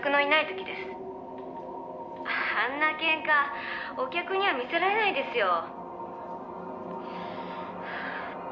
「あんなケンカお客には見せられないですよ」